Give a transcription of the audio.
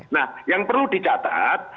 nah yang perlu dicatat